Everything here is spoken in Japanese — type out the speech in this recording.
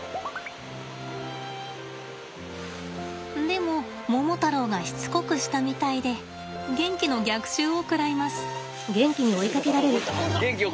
でもモモタロウがしつこくしたみたいでゲンキの逆襲を食らいます。